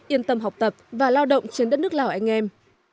yên tâm học tập và lao động trên đất nước lào anh em